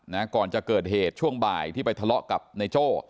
ก่อนจะเกิดเหตุช่วงบ่ายที่ไปทะเลาะกับนายโจ้